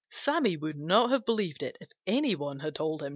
Sammy wouldn't have believed it if any one had told him.